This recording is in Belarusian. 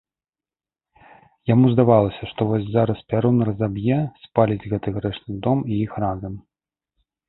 Яму здавалася, што вось зараз пярун разаб'е, спаліць гэты грэшны дом і іх разам.